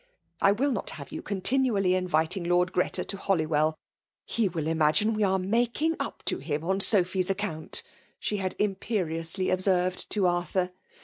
'' I will not have you continually inviting Lord Greta to Holywell ; he will imagine we are making up to him on Sophy's account!" she had imperiously ob served to Arthur.